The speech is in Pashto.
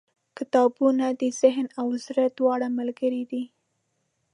• کتابونه د ذهن او زړه دواړو ملګري دي.